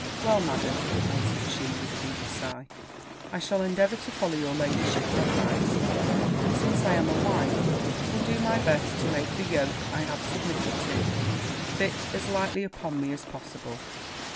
'Well, Madam,' answered she, with a deep sigh, 'I shall endeavour to follow your ladyship's advice; and, since I am a wife, will do my best to make the yoke I have submitted to, sit as lightly upon me as possible.'